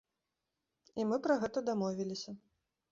І мы пра гэта дамовіліся.